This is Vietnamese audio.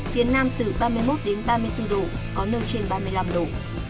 phía nam từ ba mươi một đến ba mươi bốn độ có nơi trên ba mươi năm độ